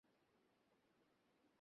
আমি তোমার জন্য কিনা করিনি।